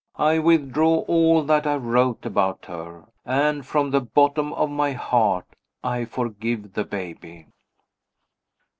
I withdraw all that I wrote about her and from the bottom of my heart I forgive the baby.